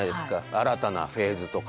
「新たなフェーズ」とか。